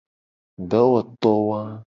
Dowoto wa.